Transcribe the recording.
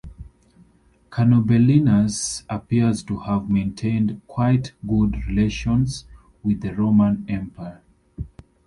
Cunobelinus appears to have maintained quite good relations with the Roman Empire.